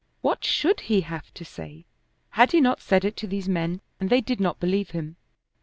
What should he have to say? Had he not said it to these men and they did not believe him?